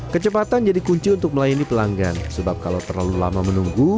kecepatan jadi kunci untuk melayani pelanggan sebab kalau terlalu lama menunggu